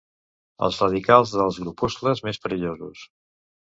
Els radicals dels grupuscles més perillosos.